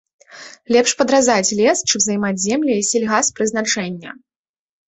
Лепш падразаць лес, чым займаць землі сельгаспрызначэння.